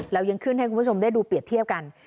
เรายังขึ้นให้คุณผู้ชมได้ดูเปรียบเทียบกัน